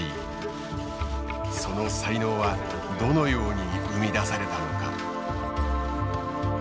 その才能はどのように生み出されたのか。